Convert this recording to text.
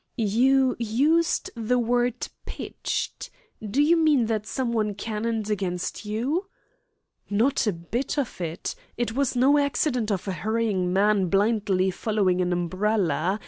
"You used the word 'pitched.' Do you mean that someone cannoned against you?" "Not a bit of it. It was no accident of a hurrying man blindly following an umbrella.